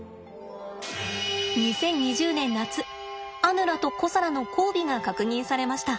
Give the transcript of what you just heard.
２０２０年夏アヌラとコサラの交尾が確認されました。